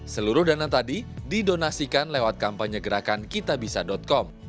seluruh dana tadi didonasikan lewat kampanye gerakan kitabisa com